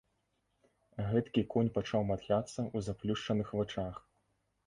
Гэткі конь пачаў матляцца ў заплюшчаных вачах.